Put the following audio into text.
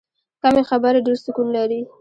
کمې خبرې، ډېر سکون لري.